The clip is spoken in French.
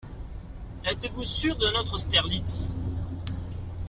Êtes-vous sûr d'un autre Austerlitz?